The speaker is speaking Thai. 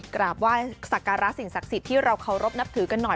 กราบไหว้สักการะสิ่งศักดิ์สิทธิ์ที่เราเคารพนับถือกันหน่อย